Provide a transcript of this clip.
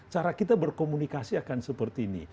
cara kita berkomunikasi akan seperti ini